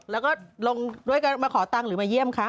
แล้วก็ลงด้วยกันมาขอตังค์หรือมาเยี่ยมคะ